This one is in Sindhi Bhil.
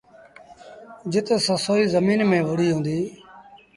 جت سسئيٚ زميݩ ميݩ وُهڙيٚ هُݩديٚ۔